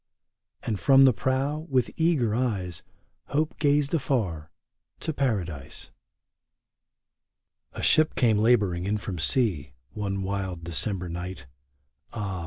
And from the prow, with eager eyes, Hope gazed afar — to Paradise. A ship came laboring in from sea, One wild December night ; Ah